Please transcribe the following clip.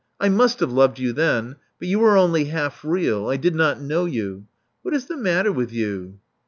I must have loved you then. But you were only half real: I did not know you. What is the matter with you?"